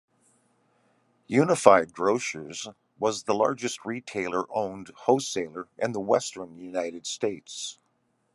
Unified Grocers was the largest retailer-owned wholesaler in the western United States.